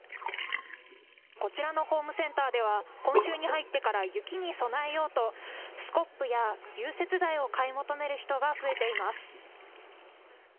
こちらのホームセンターでは、今週に入ってから、雪に備えようと、スコップや融雪剤を買い求める人が増えています。